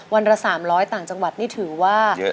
วันละ๓๐๐ต่างจังหวัดนี่ถือว่า